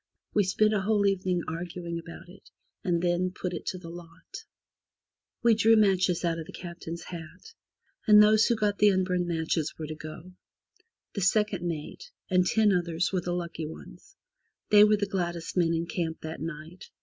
We spent a whole evening arguing about it, and then put it to the lot. 265 MY BOOK HOUSE We drew matches out of the Captain's cap, and those who got the unburned matches were to go. The second mate and ten others were the lucky ones. They were the gladdest men in camp that night.